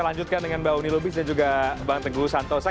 kita lanjutkan dengan mbak uni lubis dan juga bang teguh santosa